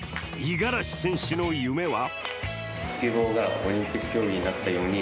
五十嵐選手の夢は？